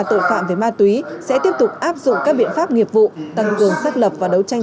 tội phạm về ma túy sẽ tiếp tục áp dụng các biện pháp nghiệp vụ tăng cường xác lập và đấu tranh